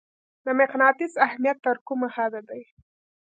د مقناطیس اهمیت تر کومه حده دی؟